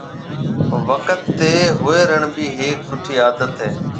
وقت تي هويرڻ بي هيَڪ سُٺِي عادت هيَ۔